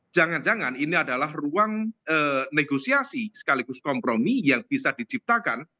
jangan jangan ini adalah ruang negosiasi sekaligus kompromi yang bisa diciptakan